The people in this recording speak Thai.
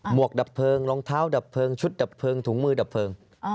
วกดับเพลิงรองเท้าดับเพลิงชุดดับเพลิงถุงมือดับเพลิง